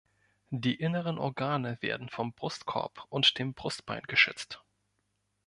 Die inneren Organe werden vom Brustkorb und dem Brustbein geschützt.